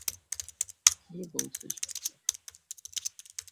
কী বলছে সরকার?